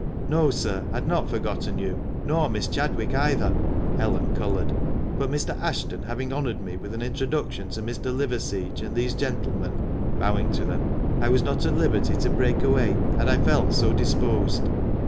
" No, sir, I had not forgotten you, nor Miss Chadwick either " (Ellen coloured), "but Mr. Ashton having honoured me with an introduction to Mr. Liverseege and these gentlemen" (bowing to them), "I was not at liberty to break away, had I felt so disposed."